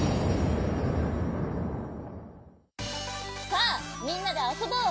さあみんなであそぼう！